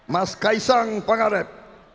mas kaisang pengarep